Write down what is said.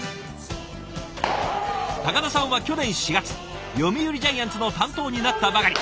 高田さんは去年４月読売ジャイアンツの担当になったばかり。